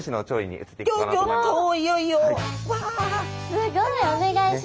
すごい。お願いします。